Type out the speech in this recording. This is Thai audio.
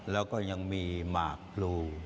แล้วก็ยังมีหมากพลู